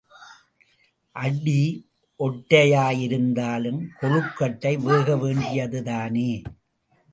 அடி ஓட்டையாய் இருந்தாலும் கொழுக்கட்டை வேக வேண்டியது தானே?